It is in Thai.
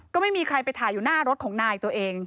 ก็ไม่มีใครไปถ่ายอยู่หน้ารถของนายตัวเอง